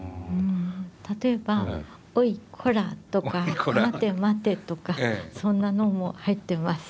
例えば「おいこら！」とか「待て待て！」とかそんなのも入ってます。